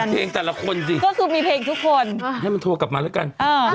เพลงแต่ละคนสิก็คือมีเพลงทุกคนให้มันโทรกลับมาแล้วกัน